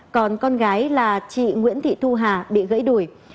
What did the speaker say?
còn con gái là chị nguyễn thị thu hà bị gãy đuổi